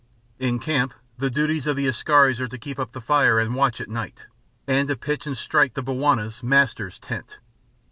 In camp, the duties of the askaris are to keep up the fire and watch at night, and to pitch and strike the Bwana's (Master's) tent.